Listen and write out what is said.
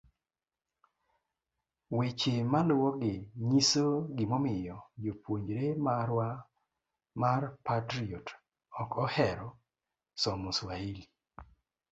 Weche maluwogi nyiso gimomiyo jopuonjre marwa mar Patriot ok ohero somo Swahili.